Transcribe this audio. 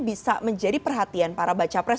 bisa menjadi perhatian para baca pres